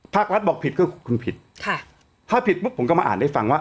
ภาครัฐบอกผิดคือคุณผิดค่ะถ้าผิดปุ๊บผมก็มาอ่านให้ฟังว่า